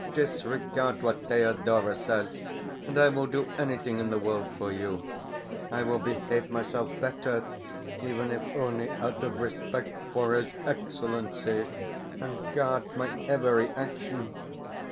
Disregard what Thedora says, and I will do anything in the world for you. I will behave myself better, even if only out of respect for his Excellency, and guard my every action.